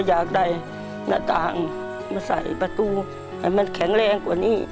หน้าต่างมาใส่ประตูมันแข็งแรงกว่านี้